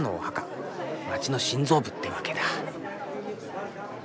街の心臓部ってわけだ。